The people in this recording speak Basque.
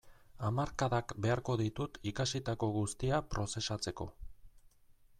Hamarkadak beharko ditut ikasitako guztia prozesatzeko.